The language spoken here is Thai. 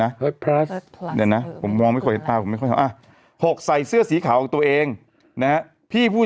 นะเพราะผมมองไม่ค่อยอ่ะ๖ใส่เสื้อสีขาวตัวเองนะพี่ผู้